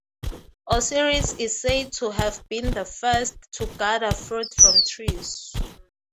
Osiris is said to have been the first to gather fruit from trees.